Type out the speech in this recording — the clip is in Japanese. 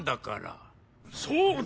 そうだ！